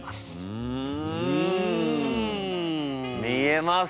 うん見えますね。